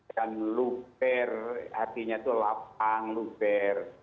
dan luper hatinya itu lapang luper